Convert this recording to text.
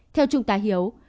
theo trung tá hiếu